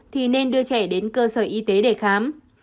thì nên đưa trẻ đến cơ sở y tế để khám